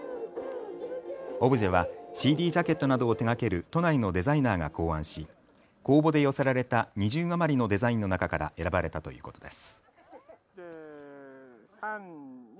オブジェはＣＤジャケットなどを手がける都内のデザイナーが考案し公募で寄せられた２０余りのデザインの中から選ばれたということです。